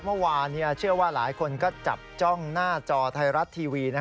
เมื่อวานเชื่อว่าหลายคนก็จับจ้องหน้าจอไทยรัฐทีวี